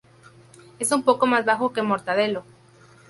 Es un poco más bajo que Mortadelo.